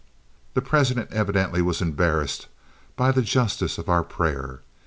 The President evidently was embarrassed by the justice of our prayer.